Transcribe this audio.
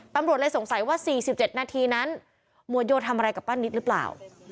ปำรวจเลยสงสัยว่าสี่สิบเจ็ดนาทีนั้นหมวดโยทำอะไรกับบ้านนี้หรือเปล่า